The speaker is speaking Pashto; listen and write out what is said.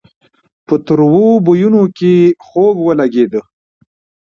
په تروو بويونو کې خوږ ولګېد.